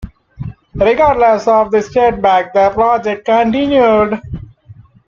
Regardless of the setback, the project continued.